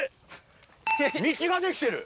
道ができてる！